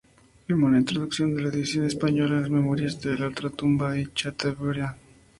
Firmó la introducción a la edición española de las "Memorias de ultratumba" de Chateaubriand.